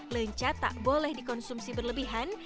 lencat tak boleh dikonsumsi berlebihan